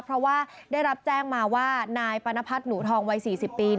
เพราะว่าได้รับแจ้งมาว่านายปรณพัฒน์หนูทองวัย๔๐ปี